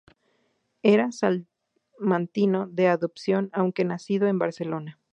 Era salmantino de adopción, aunque nacido en Barcelona.